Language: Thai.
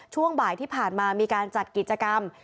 ช่วงบ่ายที่ผ่านมามีการจัดกิจกรรม